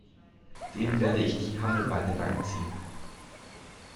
Dem werde ich die Hammelbeine lang ziehen!